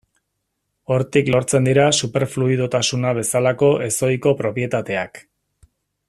Hortik lortzen dira superfluidotasuna bezalako ez ohiko propietateak.